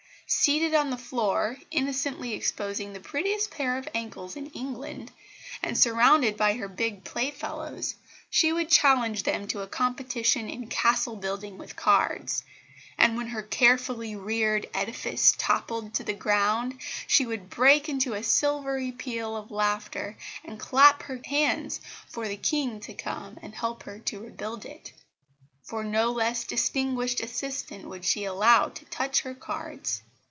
Seated on the floor, innocently exposing the prettiest pair of ankles in England, and surrounded by her big playfellows, she would challenge them to a competition in castle building with cards; and when her carefully reared edifice toppled to the ground she would break into a silvery peal of laughter, and clap her hands for the King to come and help her to rebuild it, for no less distinguished assistant would she allow to touch her cards.